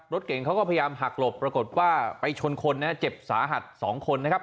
รถเก่งเขาก็พยายามหักหลบปรากฏว่าไปชนคนนะฮะเจ็บสาหัส๒คนนะครับ